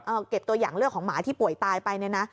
เออเกี่ยวอย่างเลือดของหมาที่ป่วยตายไปเนี่ยนะ